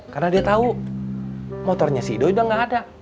karena dia tahu motornya cido udah nggak ada